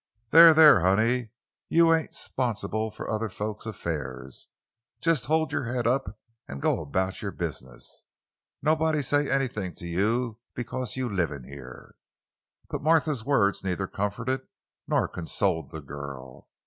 "There, there, honey; you ain't 'sponsible for other folks' affairs. Jes' you hold you' head up an' go about you' business. Nobody say anything to you because you' livin' here." But Martha's words neither comforted nor consoled the girl.